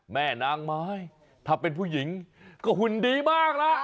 แม่นางไม้ถ้าเป็นผู้หญิงก็หุ่นดีมากแล้ว